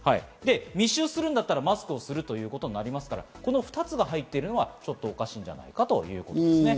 密集するんだったらマスクをするということになりますから、この２つが入っているのはおかしんじゃないかということですね。